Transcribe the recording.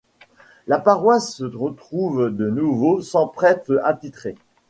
La paroisse se retrouve de nouveau sans prêtre attitré.